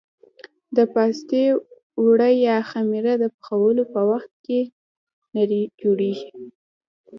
د پاستي اوړه یا خمېره د پخولو په وخت کې نرۍ جوړېږي.